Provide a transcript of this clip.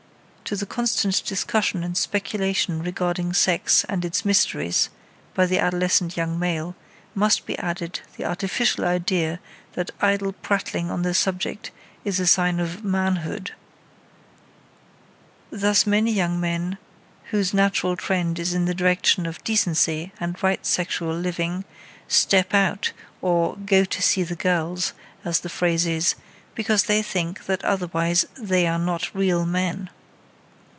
To the constant discussion and speculation regarding sex and its mysteries by the adolescent young male, must be added the artificial idea that idle prattling on the subject is a sign of "manhood." Thus many young men whose natural trend is in the direction of decency and right sexual living, "step out" or "go to see the girls," as the phrase is, because they think that otherwise "they are not real men."